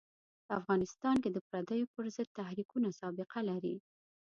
په افغانستان کې د پردیو پر ضد تحریکونه سابقه لري.